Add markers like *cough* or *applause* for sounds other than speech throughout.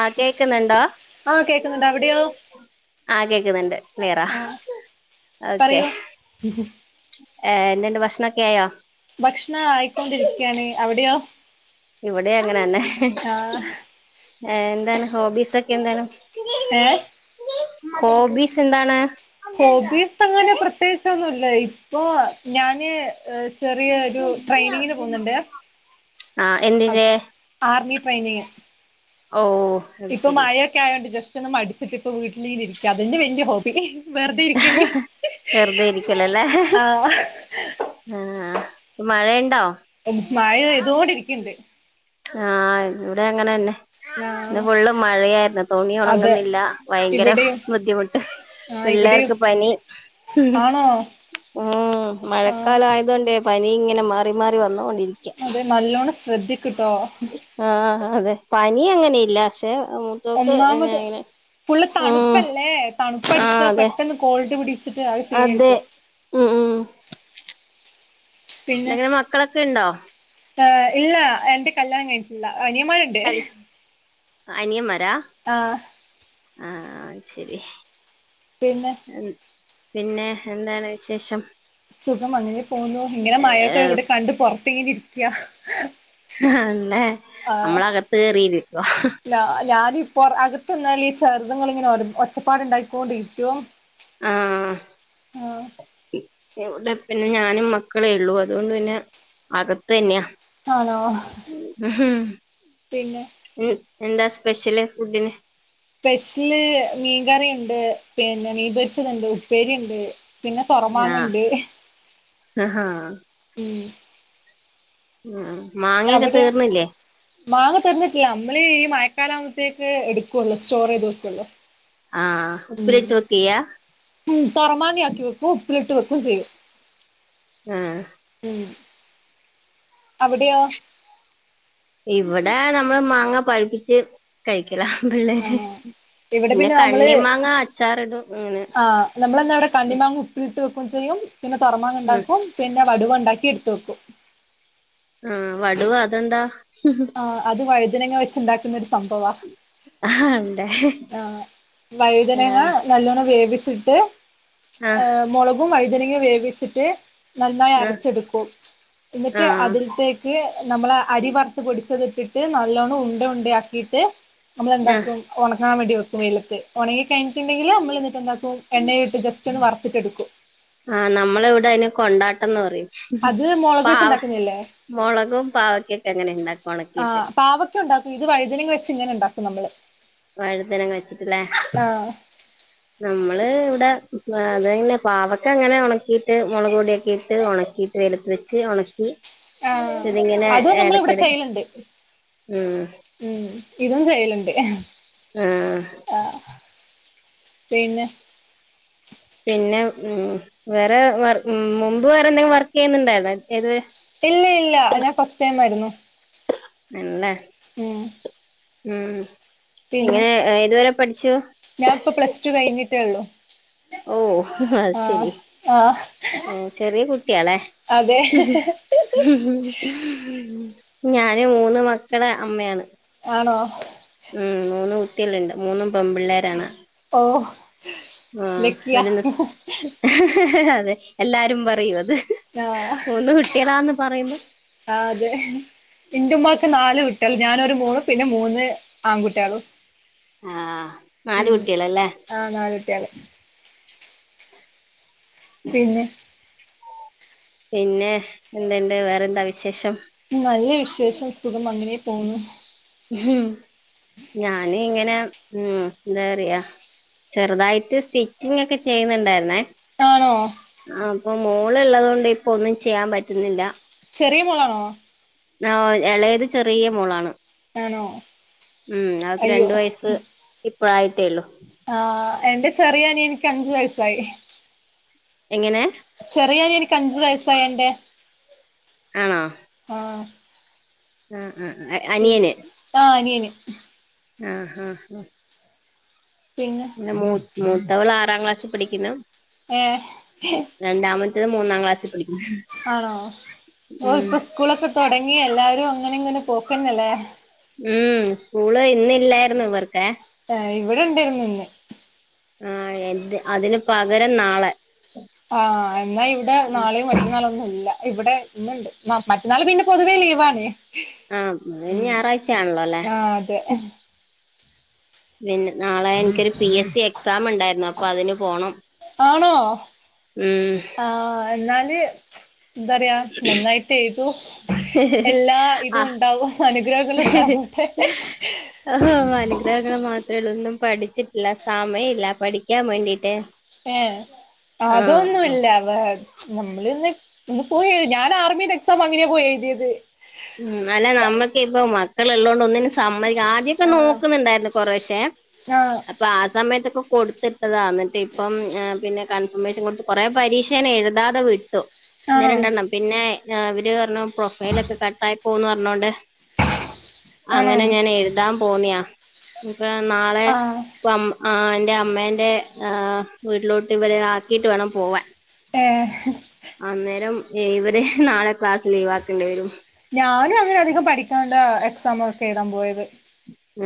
ആഹ് കേക്കുന്നുണ്ടോ ആഹ് കേക്കുന്നുണ്ട് അവിടെയൊ ആ കേക്കുന്നുണ്ട് ക്ലിയറാ ആഹ് പറയു ഏ് എന്ന്ണ്ട് ഭക്ഷണൊക്കെ ആയോ ഭക്ഷണം ആയിക്കൊണ്ടിരി ക്കാണ് അവിടെയോ ഇവിടെ അങ്ങനെന്നെ ആഹ് എന്താണ് ഹോബീസ് ഒക്കെ എന്താണ് ഏയ് ഹോബീസ് എന്താണ് ഹോബീസ് അങ്ങനെ പ്രത്യേകിച്ചൊന്നുമില്ല ഇപ്പോ ഞാന് ചെറിയ ഒരു ട്രെയിനിങ്ങിന് പോവുന്നുണ്ട് ആ എന്തിന്റെ ആർമി ട്രെയിനിങ് ഓഹ് ഇപ്പൊ മഴൊക്കെ ആയതോണ്ട് ജസ്റ്റ് ഒന്നു മടിച്ചിട്ട ഇപ്പോ വീട്ടിൽ ഇങ്ങനെ ഇരിക്ക അതെന്നെ വലിയ ഹോബി വെറുതെ ഇരിക് വെറുതെ ഇരിക്കല്ലോല്ലേ ആഹ് ആഹ് മഴ ഉണ്ടോ മഴ പെയ്തോണ്ടിരിക്ക്ണ്ട് ആഹ് ഇവിടെങ്ങനെന്നെ ഇന്ന് ആഹ് ഫുള്ള് മഴയായിരുന്നു തുണി അതെ ഒണങ്ങുന്നില്ല ഭയങ്കര ഇവിടെയും ബുദ്ധിമുട്ട് ആഹ് ഇവിടെ പിള്ളേർക്ക് പനി മ് ആഹ് മഴക്കാലയ തുകൊണ്ട് പനി ങ്ങന മാറി മാറി വന്നൊണ്ടിരി അതെ നല്ലോണ്ണം ശ്രദ്ധിക്ക്ട്ടോ ആഹ് അതെ പനി അങ്ങനെയില്ല പക്ഷെ മൂത്തോക്ക് ങ്ങനെ ഫുള് തണുപ്പല്ലേ ആഹ് തണുപ്പടിച്ചാ അതെ പെട്ടന്ന് കോൾഡ് പിടിച്ചിട്ട് അത് പീ *unintelligible* ഉമ് *unintelligible* മക്കളൊക്കെ ണ്ടോ ആഹ് ല്ല എന്റെ കല്യാണം കഴിഞ്ഞിട്ടില്ല അനിയന്മാരുണ്ട് അനി അനിയന്മാരാ ആഹ് ആഹ് ശരി പിന്നെ *unintelligible* പിന്നെ എന്താണ് വിശേഷം സുഖം അങ്ങനെ പോവ്ന്നു ഇങ്ങനെ മഴൊക്കെ ഇവിടെ കണ്ട് പൊറത്തിങ്ങനെ ഇരിക്കയാ അന്നെ നമ്മളകത്ത് കേറീരിക്ക ലാനും പ്പൊ അകത്ത്ന്നാല് ഈ ചെർത്ങ്ങള് ഇങ്ങനെ ഒച്ചപ്പാട്ണ്ടായിക്കൊണ്ട രിക്കും ആഹ് ഇവിടെ പിന്നെ ഞാനും മക്കളേ ഉള്ളു അതുകൊണ്ട് പിന്നെ അകത്തെന്നെയാ ആണോ പിന്നെ *unintelligible* എന്താ സ്പെഷ്യല് ഫുഡിന് സ്പെഷ്യല് മീൻകറിയുണ്ട് പിന്നെ മീൻപെടിച്ചത്ണ്ട് ഇപ്പേരിയ ണ്ട് പിന്നെ പോറമാങ്ങണ്ട് അഹാ ഉംമ് ഉമ് മാങ്ങയൊക്കെ അവിടെയോ തീർന്നില്ലേ മാങ്ങ തീർന്നിട്ടില്ല മ്മള് ഈ മഴക്കാലാവുംമ്പഴ്ത്തേക്ക് എടുക്കോള്ളു സ്റ്റോർ ചെയ്ത് വെക്കുളു ആഹ് ഉപ്പിലിട്ട് വെക്കയ്യ ഉമ് തൊരമാങ്ങ ആക്കി വക്കും ഉപ്പിലിട്ട് വെയ്ക്കും ചെയ്യും ആഹ് ഉംമ് അവിടെയോ ഇവിടെ നമ്മള് മാങ്ങ പഴുപ്പിച്ച് കഴിക്കല ലൊ ആണോ ഇവിടെ പിന്നെ നമ്മള് കണ്ണി മാങ്ങ അച്ചാർ ഇടും ഉം നമ്മളന്നവിടെ കണ്ണിമാങ്ങ ഉപ്പിലിട്ട് വയ്ക്കും ചെയ്യും പിന്നെ തോറമാങ്ങ ഉം ഉണ്ടാക്കും പിന്നെ വടുവ ഉണ്ടാക്കി എടുത്ത് വെക്കും മ് വടുവ അതെന്താ ആഹ് അത് വഴുനങ്ങ വെച്ചുണ്ടാക്കുന്ന ഒരു സംഭവാ ആ അതെ ആഹ് വഴുതനേങ്ങ നല്ലോണം വേവിച്ചിട്ട് ആഹ് മുള പും വഴുതനങ്ങ വേവിച്ചിട്ട് നന്നായി ആഹ് അരച്ചെടുക്കും എന്നിട്ട് ആഹ് അതില്ക്ക് നമ്മള അരി വറുത്ത് പൊടിച്ചത് ഇട്ടിട്ട് നല്ലോണം ഉണ്ട ഉണ്ട ആക്കിയിട്ട് ആഹ് നമ്മളെന്താക്കും ഒണങ്ങാൻ വേണ്ടി വക്കും വെയിലത്ത് ഉണങ്ങി കഴിഞ്ഞിട്ടുണ്ടെങ്കിൽ നമ്മൾ എന്നിട്ട് എണ്ടാക്കും എണ്ണയ ഇട്ട് ജസ്റ്റ് ഒന്ന് വറുത്തിട്ട്ടുക്കും ആഹ് നമ്മള വിടെ അയിന് കൊണ്ടാട്ടംന്ന് പറയും അത് മുളക് വെച്ച് പാവ ഉണ്ടാക്കുന്നില്ലേ മോളകും പാവക്കേം ക്കെ അങ്ങനെ ണ്ടാകും ഒണക്കിട്ട് പാവക്കെ ണ്ടാക്കും ഇത് വഴുനങ്ങ വെച്ച് ഇനെ ണ്ടാക്കും നമ്മള് വഴുത്തനങ്ങ വെച്ചിട്ട്ല്ലേ ആഹ് നമ്മള് വിടെ അതന്നേ പാവക്ക അങ്ങനെ ഉണക്കിയിട്ട് മോളക് പൊടിയൊക്കെ ഇട്ട് ഉണക്കിട്ട് വെയ്ലത്ത് വെച്ച് ഒണക്കി ആഹ് അതും നമ്മൾ ഇവിടെ ചെയ്യല്ണ്ട് ഉം ഉംമ് ഇതും ചെയ്യലുണ്ട് ആഹ് അ പിന്നെ പിന്നെ ഉം വേറെ വർ ഉം മുമ്പ് വേറെ എന്തെങ്ക്‌ വർക്ക് യെയ്ന്ന്ണ്ടായിന്നോ ഏത് ഇല്ല ഇല്ല ഞാൻ ഫസ്റ്റ് ടൈം ആയിരുന്നു ആണല്ലേ ഉം ഉം ഇങ്ങനെ ഏതുവരെ പഠിച്ചു ഞാൻപ്പം പ്ലസ് ടു കഴിഞ്ഞിട്ടേള്ളു ഓ അഹ് ശെരി ആഹ് ഏ ചെറിയ കുട്ടിയാലെ അതെ ഉം ഉ. ഞാന് മൂന്ന് മക്കളെ അമ്മയാണ് ആണോ ഉം മൂന്ന് കുട്ടികളുണ്ട് മൂന്നും പെമ്പിള്ളേരാണ് ഓ ലക്കിയ ഒരു അതെ എല്ലാരും പറയൂ അത് ഹലോ ത് കുട്ടിളാന്ന് പറയുമ്പം ആതെ ഇന്റെ ഉമ്മാക്ക് നാല് കുട്ടികൾ ഞാനൊരു മോളും മൂന്ന് പിന്നെ മൂന്ന് ആങ്കുട്ട്യാളും ആ നാല് കുട്ടിളല്ലേ ആ നാല്ട്ട്യാള് പിന്നെ പിന്നെ എന്ത്ണ്ട് വേറെന്താ വിശേഷം നല്ല വിശേഷം സുഖം അങ്ങനെ പോവുന്നു ഞാന് ഇങ്ങനെ ഉം എന്താ പറിയാ ചെറുതായിട്ട് സ്റ്റിച്ചിങ് എക്കെ ചെയ്യ്ന്ന്ണ്ടായിര്ന്നേ ആണോ അപ്പം മോൾള്ളതു കൊണ്ട് ഇപ്പൊ ഒന്നും ചെയ്യാൻ പറ്റുന്നില്ല ചെറിയ മോളാണോ ആഹ് എളയത് ചെറിയ മോളാണ് ട്ടാണോ ഉം അവക്ക് രണ്ടു വയസ്സ് ഇപ്പഴായിട്ടേള്ളു ആഹ്എന്റെ ചെറിയഅനിയന്ക്ക് അഞ്ചു വയസ്സായി എങ്ങനെ ചെറിയ അനിയന്ക്ക് അഞ്ചു വയസ്സായെ എന്റെ ആണോ ആഹ് ഉം ഉം അയ ആഹ് അനിയന് ആഹ് ഹ ഹ പിന്നെ പിന്നെ മൂ മൂത്തവള് ആറാം ക്ലാസ്സി പഠിക്കുന്നു ഏഹ് രണ്ടാമത്തത് മൂന്നാം ക്ലാസ്സി പഠിക്കുന്നു ആണോ ഓ ഉം ഇപ്പൊ സ്കൂളൊക്കെ തൊടങ്ങി എല്ലാരും അങ്ങനെ ഇങ്ങനെ പോകേന്നല്ലേ ഉം സ്കൂള് ഇന്നില്ലായിരുന്നു ഇവർക്കെ ഏ ഇവിടെ ണ്ടേര്ന്ന് ഇന്ന് ആഹ് എൽദ് അതിന് പകരം നാളെ ആ ഹ് എന്നാ ഇവിടെ നാളെയും മറ്റന്നാളും ഒന്നും ഇല്ല ഇവിടെ ഇന്ന്ണ്ട് മറ്റന്നാൾ പിന്നെ പൊതുവേ ലീവാണ് ആഹ് ഇന്ന് ഉം ഞായറാഴ്ചയാണല്ലോ അല്ലെ ആ അതെ പിന്നെ നാളെ എനിക്കൊരു പി എസ് സി എക്സാംണ്ടായിരുന്നു അപ്പൊ അതിന് പോണം ആണോ ഉം ആഹ് എന്നാല് ന്തറിയാ നന്നായിട്ട് ഏഴ് തൂ എല്ലാ ഇതും ആഹ് ഉണ്ടാവും അനുഗ്രഹങ്ങള് ഉണ്ടാവട്ടെ ആഹ് അനുഗ്രഹങ്ങള് മാത്രെ ഉള്ളൂ ഒന്നും പഠിച്ചിട്ടില്ല സമയില്ല പഠിക്കാൻ വേണ്ടിട്ട് ഏഹ്അതോന്നുല്ല *unintelligible* നമ്മളിന്ന് ഇന്ന് പോയ ഞാൻ ആർമിടെ എക്സാം അങ്ങനെയ പോയി എഴുയത് ഉം അല്ല നമ്മക്ക് ഇപ്പ മക്കള് ഉള്ളോണ്ട് ഒന്നിനും സമ്മയ ആദ്യോക്കെ ആഹ് നോക്കുന്നുണ്ടായിരുന്നു കൊറേശേ ആഹ് അപ്പൊ ആ സമയത്തൊക്കെ കൊടുത്തി അതാ എന്നിട്ട് ഇപ്പം പിന്നെ കൺഫർമേഷൻ കൊടുത്ത് കൊറെേ പരീക്ഷ ഞാൻ എഴുതാതെ വിട്ടു ഒന്ന് ആണോ രണ്ടെണ്ണം പിന്നെ അവര് പറഞ്ഞു പ്രൊഫൈല ക്കെ കട്ടായി പോവുന്ന് പറഞ്ഞോണ്ട് ആണോ അങ്ങനെ ഞാൻ എഴുതാൻ പോന്നിയാ ഇഞ്ഞ്പ്പ നാളെ ആഹ് പ്പ ആ ന്റെ അമ്മേന്റെ ആഹ് വീട്ടിലോട്ട് ഇവരെ ആക്കിട്ട് വേണം പോവാൻ ഏ അന്നേരം ഏ ഇവര് നാളെ ക്ലാസ്സ് ലീവാക്കേണ്ടി വരും ഞാനും അങ്ങനെ അധികം പഠിക്കാണ്ട എക്സാം ഒക്കെ എഴുതാൻ പോയത്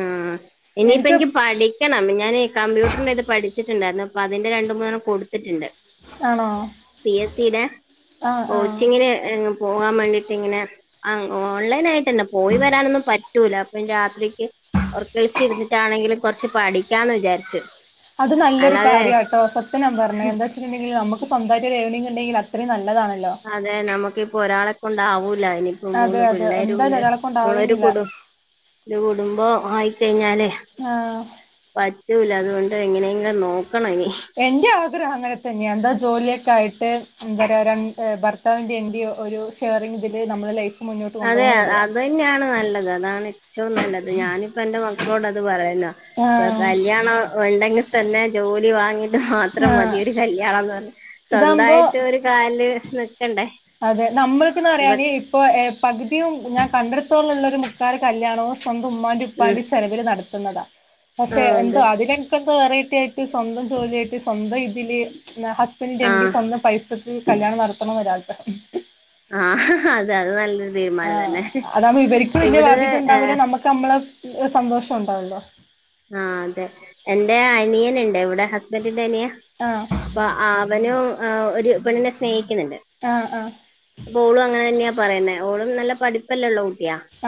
ആഹ് ഇനി ഇപ്പ എനിക്ക് ഇന്ക്ക് പടി ക്കണ്ണം ഞാന് കമ്പ്യൂട്ടറിന്റെ ഇത് പഠിച്ചിട്ടുണ്ടായിരുന്നു അപ്പോ അതിന്റെ രണ്ട് മൂന്നെണ്ണം കൊടുത്തിട്ടുണ്ട് ആണോ പി എസിടെ ആഹ് ആഹ് കോച്ചിങ്ങ് ന്ഏ പോകാൻ വേണ്ടിട്ട് ഇങ്ങനെ ഓൺലൈൻ ആയിട്ട് തന്നെ പോയി വരാനൊന്നും പറ്റൂല അപ്പ രാ ത്രിക്ക് ഒറക്കളിച്ച് ഇരുന്നിട്ടാണെങ്കിലും കുറച്ച് പഠിക്കാന്ന് വിചാരിച്ച് അത് നല്ലൊര് കാര്യാട്ടോ സത്യ ഞാൻ പറഞ്ഞെ എാന്താ ച്ചിട്ടുണ്ടെങ്കിൽ നമുക്ക് സ്വന്തമായിട്ടോരു ഏർണിങ് ഉണ്ടെങ്കില് അത് അത്രേം നല്ലതാണല്ലോ അതെ നമുക്കിപ്പോ ഒരാളെ കൊണ്ടാവൂലനിപ്പോ അതെ മൂന്ന് അതെ എന്തായാലും പിള്ളേരുണ്ട് ഒരാളെ നമ്മളൊരു കൊണ്ടാവുന്നില്ല കുടുംമ്പ ഒരു കുടുംബം ആയിക്കഴിഞ്ഞാലേ ആഹ് പറ്റൂല അതുകൊണ്ട് എങ്ങനെങ്കിലും നോക്കണം ഇനി എന്റെ ആഗ്രഹം അങ്ങനെ തന്നെയ എന്താ ജോലിയൊക്കെ ആയിട്ട് എന്താ രണ്ട് അഹ് ഭാ *unintelligible* വേണ്ടി ഒരു ഷെയറിംഗ് ബില്ല് നമ്മടെ ലൈഫ് മുന്നോട്ട് അതെ കൊണ്ടുപോകണം എന്നുള്ളതാ അത് തന്നെയാണ് നല്ലത് അതാണ് ഏറ്റവും നല്ലത് ഞാനിപ്പ എന്റെ മക്കളോട് അത് പറയാ ആഹ് കല്യാണം ഉണ്ടെങ്കി തന്നെ ജോലി വാങ്ങിട്ട് മാത്രം ആഹ് മതിഒരു കല്ല്യാണം എന്ന് പറഞ ഇതാകുമ്പോ സ്വന്തയിട്ട് ഒരു കലില് നിക്കണ്ടേ അതെ നമ്മൾക്കന്ന് ഇപ്പൊ പറയാന് ഇപ്പോൾ പകുതിയും ഞാൻ കണ്ടെടുത്തോളുള്ളൊരു മുക്കാല് കല്യാണവും സ്വന്തം ഉമ്മാന്റെ ഉം ഉപ്പാന്റെ ചെലവില് നടത്തുന്നതാ ആ പക്ഷെ എന്തോ അതെ അതിന് ഇക്ക വെറൈറ്റി ആയിട്ട് സ്വന്തം ജോലിയായിട്ട് സ്വന്തം ഇതില് ന്താ ഹസ്ബൻഡിന്റെ എന്റെ ആഹ് സ്വന്തം പൈസ കല്യാണം നടത്തണം എന്നോരാഗ്രഹം ആഹ് അതെ അത് നല്ലോരു തീരു ആഹ് അതാകുമ്പോ ഇവർക്ക് വല്യ ബാധ്യത ഉണ്ടാവൂല്ല നമ്മുക്ക് നമ്മടെ സന്തോഷം ഉണ്ടാവല്ലോ ആഹ് അതെ എന്റെ അനിയനുണ്ട് ഇവിടെ ഹസ്ബൻഡിന്റെ അനിയൻ ആഹ് അപ്പ അവനും ഒരു പെണ്ണിനെ സ്നേഹിക്കുന്നുണ്ട് ആഹ് ആഹ് അപ്പൊ ഓളും അങ്ങനെ തന്നെയാ പറയുന്നത് ഓളും നല്ല പഠിപ്പല്ലള്ളു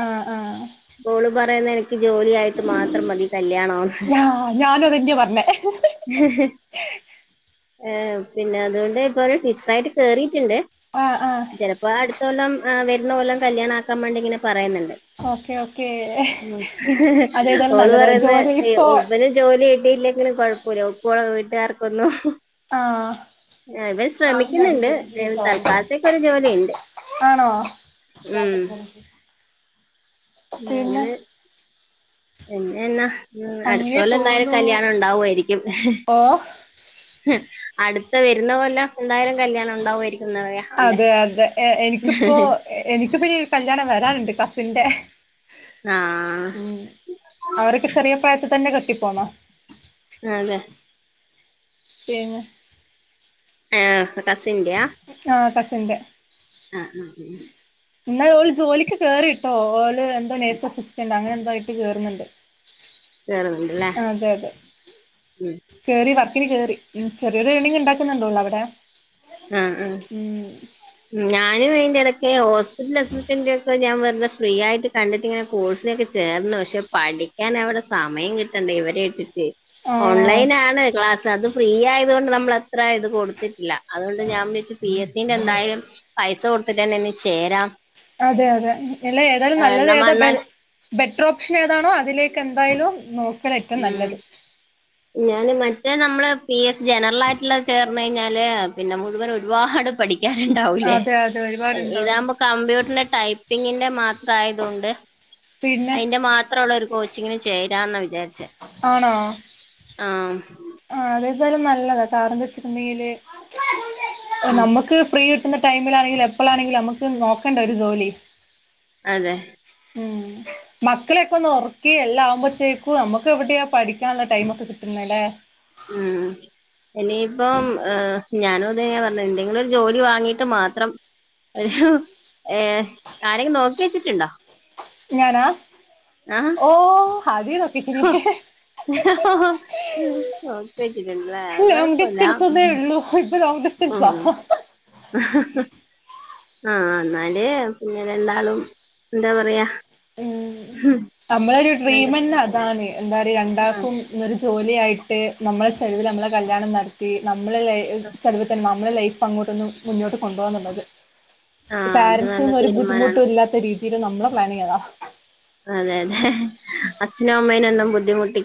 ആഹ് ആഹ് ഓള് പറയുന്ന എനക്ക് ജോലി ആയിട്ട് മാത്രം മതി കല്യാണം ആഹ് ഞാനും അതെന്നാ പറഞ്ഞെ ഏഹ് പിന്നെ അതുകൊണ്ട് ഇപ്പ ഒരു സിസ്റ്റർ ആയിട്ട് കേറിട്ടുണ്ട് ആഹ് ആഹ് ചിലപ്പോ അടുത്ത കൊല്ലം വരുന്ന കൊല്ലം കല്യാണാക്കാൻ വേണ്ടിങ്ങനെ പറയുന്നുണ്ട് ഓക്കെ ഓക്കേ അതേതായാലും ഓള് നല്ലത് പറ ജോലി ഇപ്പോ ഇവന് ജോലി കിട്ടിയില്ലെങ്കിലും കുഴപ്പില്ല ഇവൾക്കും ഇവളുടെ വീട്ടുകാർക്കൊന്നും ആഹ് ഇവൻ ശ്രമിക്കുന്നുണ്ട് തൽക്കാലത്തേക്ക ഒരു ജോലി ഉണ്ട് ആണോ പിന്നെ അങ്ങനെ പിന്നെ എന്നാ ഉം അങ്ങനെ അടുത്തകൊല്ലം എന്തായാലും പോവുന്നു കല്യാണം ഉണ്ടാവുവാരിക്കും ഓ ഉം അടുത്ത വരുന്ന കൊല്ലം എന്തായാലും കല്യാണം ഉണ്ടാവുമായിരിക്കുന്ന പറയാ അവന്റെ അതെ അതെ എനിക്കിപ്പോ എനിക്ക് പിന്ന ഒരു കല്യാണം വരാനുണ്ട് കസിന്റെ ആഹ് ഉം അവരൊക്കെ ചെറിയ പ്രായത്തി തന്നെ കെട്ടിപ്പോണോ അതെ പിന്നെ ഏഹ് കസിന്റയോ ആഹ് കസിന്റെ ആഹ് ആഹ് ആഹ് എന്നാ ഓള് ജോലിക്ക് കേറിട്ടോ ഓള് എന്തോ നഴ്സ് അസിസ്റ്റന്റ് അങ്ങനെ എന്തോ ആയിട്ട് കേറുന്നുണ്ട് കേറുന്നുണ്ടല്ലേ അതെ അതെ ഉം കയറി വർക്കിന് കയറി ചെറിയൊരു ഏർണിങ് ഉണ്ടാക്കുന്നുണ്ട് ഓള് അവിടെ ആഹ് ആഹ് ഉം ഞാനും അയിന്റ ഇടക്ക് ഹോസ്പിറ്റൽ അഡ്മിനിസ്ട്രേഷന്റ ഒക്ക ഞാൻ വെറു ഫ്രീ ആയിട്ട് കണ്ടിട്ട്ങ്ങനെ കോഴ്സിലൊക്കെ ചേർന്നു പക്ഷെ പഠിക്കാൻ എവിടെ സമയം ണ്ടേ ഇവരെ ഇട്ടിട്ടെ ആഹ് ഓൺലൈനാണ് ക്ലാസ്സ്‌ അതും ഫ്രീ ആയത് കൊണ്ട് നമ്മൾ അത്ര ഇത് കൊടുത്തിട്ടില്ല അതുകൊണ്ട് ഞാൻ വിചാരിച് പി എസ് സീന്റെ എന്തായാലും പൈസ കൊടുത്തിട്ട് തന്ന ഒന്ന് ചേരാം അതെ അതെ ഇല്ല ഏതായാലും നല്ലത് നമ്മ ഏതാ എന്നാൽ ബെറ്റർ ഓപ്ഷൻ ഏതാണോ അതിലേക്ക് എന്തായാലും നോക്കൽ ഏറ്റോം ഉം നല്ലത് ഞാന് മറ്റേ നമ്മള് പി എസ് സി ജനറൽ ആയിട്ടുള്ള ചേർന്ന് കഴിഞ്ഞാല് പിന്നെ മുഴുവൻ ഒരുപാട് പഠിക്ക പഠിക്കാറണ്ടാവൂലേ അതെ അതെ ഒരുപാടുണ്ടാവും ഇതാകുമ്പ കമ്പ്യൂട്ടറിന്റെ ടൈപ്പിങ്ങിന്റെ മാത്രം ആയതുകൊണ്ട് പിന്നെ അതിന്റെ മാ ത്രം ഉള്ള ഒരു കോച്ചിങ്ങിന് ചേരം ന്നാ വിചാരിചേ ആണോ ആഹ ആ അതേതായാലും നല്ലതാ കാരണം എന്താ വെച്ചിട്ടുണ്ടെങ്കില് ഉം നമ്മുക്ക് ഫ്രീ ടൈമിലാണങ്കിലും എപ്പോഴാണെങ്കിലും നമുക്ക് നോക്കണ്ടെ ഒരു ജോലി അതെ ഉം മക്കളൊക്കെ ഒന്ന് ഉറക്കി എല്ലാംആകുമ്പോഴത്തേക്കും നമുക്ക് എവിടെയാ പഠിക്കാനുള്ള ടൈം ഒക്കെ കിട്ടുന്നല്ലേ ഉം ഇനിയിപ്പം ഏഹ് ഞാനും അത് തന്നെ പറഞ്ഞെ എന്തെങ്കിലും ഒരു ജോലി വാങ്ങീട്ട് മാത്രം ഏഹ് ആരെങ്കിലും നോക്കി വെച്ചിട്ടുണ്ടോ ഞാനാ ആഹ് ഓ ആദ്യേ നോക്കിവെച്ചിനി നോക്കി വെച്ച്ക്ക്‌ണ്ല്ലേ അത്‌ ലോങ് കുഴപ്പമില്ല *unintelligible* ഉള്ളൂ ഇപ്പോ ലോങ്ങ്‌ ഡിസ്റ്റൻസ് ആഹ് ആഹ എന്നാല് പിന്നെ രണ്ടാളും എന്താ പറയാ ഉം നമ്മളൊരു നല്ല ഡ്രീമെന്നെ അതാണ് എന്താ പറയാ ആഹ് രണ്ടാക്കും ഒരു ജോലിയായിട്ട് നമ്മളെ ചിലവില് നമ്മളെ കല്യാണം നടത്തി നമ്മളെ ചിലവിൽ തന്നെ മ നമ്മളെ ലൈഫ് അങ്ങോട്ടൊന്ന് മുന്നോട്ട് കൊണ്ട്പോകാന്നുള്ളത് ആഹ് അത് പാരന്റസിന് നല്ല ഒന്നും ഒരു തീരുമാനാണ് ബുദ്ധിമുട്ടും ഇല്ലാത്ത രീതിൽ നമ്മളെ പ്ലാനിങ് അതാ അതെ ലേ അതെ അച്ഛനേം അമ്മേനും ഒന്നും ബുദ്ധിമുട്ടി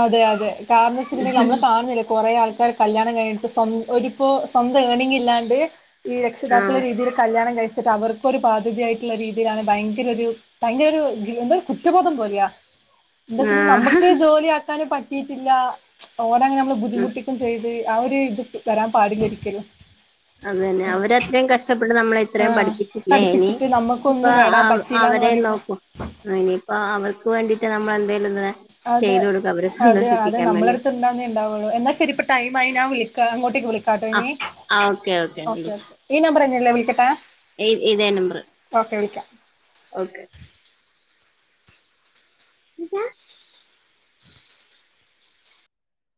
അതെ അതെ കാരണം എന്ന് വെച്ചിട്ടുണ്ടെങ്കിൽ നമ്മള് കാണുന്നില്ല കുറെ ആൾക്കർ കല്യാണം കഴിഞ്ഞിട്ട് ഒരിപ്പോ സ്വന്തം ഏണിങ് ഇല്ലാണ്ട് ഈ രക്ഷിതാക്കള ആഹ് രീതിയിൽ കല്യാണം കഴിച്ചിട്ട് അവർക്കൊരു ബാധ്യതയായിട്ടുള്ള രീതിയിലാണ് ഭയങ്കര ഒരു ഭയങ്കര ഒരു ഗിൽ എന്താ കുറ്റബോധം പോലയാ എന്താച്ചല് ആഹ് നമുക്ക് ജോലിയാക്കാന്പറ്റിട്ടില്ല ഓരെങ്ങനെ നമ്മള് ഉം ബുദ്ധിമുട്ടി ക്കും ചെയ്ത് ആ ഒരു ഇത് വരാൻ പാടില്ല ഒരിക്കലും അതന്നെ അവരെ ത്രയും കഷ്ടപ്പെട്ട് നമ്മളെ ഇത്രയും ആഹ് പഠിപ്പിച്ചില്ലേ ഇനി ഇനി പഠിപ്പിച്ചിട്ട് ഇപ്പൊ നമ്മുക്കൊന്നും നേടാൻ അവ് പറ്റിയില്ലാന്ന് അവരെ പറയുമ്പോ നോക്കും ആ ഇനിയിപ്പ അവർക്ക് വേണ്ടീട്ട് നമ്മള് എന്തേലും ഒന്ന് അതെ അതെ അതെ വേണ്ടി നമ്മളടുത്ത് അന്നേ ഉണ്ടാവുള്ളൂ എന്നാ ശരി ഇപ്പൊ ടൈം ആയി ഞാൻ വിളിക്ക അങ്ങോട്ടേക്ക്‌ വിളിക്കാം കാട്ടൊ ആഹ് ഇനി ആഹ് ഓക്കെ ഓക്കെ ഓകെ വിളിച്ചു ഓകെ ഈ നമ്പർന്നെല്ലേ വിളിക്കട്ടെ ഇ ഇതേ നമ്പർ ഓക്കെ വിളിക്കാം ഓക്കെ *unintelligible*